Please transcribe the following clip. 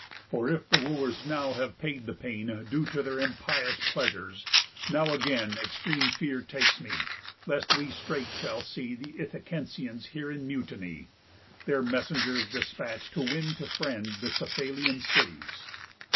For if the Wooers now have paid the pain Due to their impious pleasures, now again Extreme fear takes me, lest we straight shall see The Ithacensians here in mutiny, Their messengers dispatch'd to win to friend The Cephallenian cities."